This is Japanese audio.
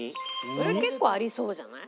それは結構ありそうじゃない？